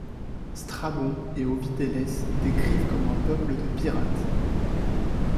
Strabon et Ovideles décrivent comme un peuple de pirates.